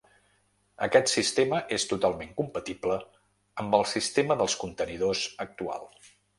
Aquest sistema és totalment compatible amb el sistema dels contenidors actual.